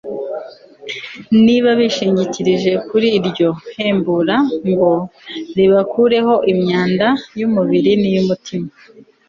niba bishingikirije kuri iryo hembura ngo ribakureho imyanda y'umubiri n'iy'umutima